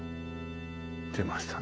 出ましたね。